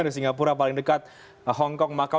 di singapura paling dekat hongkong makau